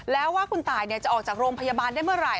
แล้วว่าคุณตายจะออกจากโรงพยาบาลได้เมื่อไหร่